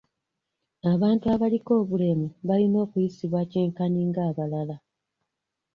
Abantu abaliko obulemu balina okuyisibwa kyenkanyi ng'abalala.